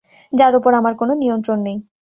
যার ওপর আমার কোনো নিয়ন্ত্রণ নেই।